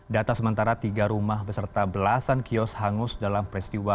data sementara tiga rumah beserta belasan kios hangus dalam peristiwa